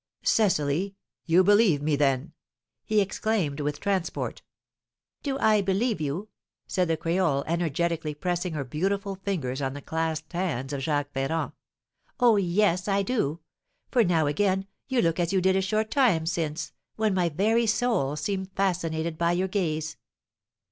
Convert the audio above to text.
"Cecily, you believe me, then!" he exclaimed with transport. "Do I believe you?" said the creole, energetically pressing her beautiful fingers on the clasped hands of Jacques Ferrand. "Oh, yes, I do! For now, again, you look as you did a short time since, when my very soul seemed fascinated by your gaze."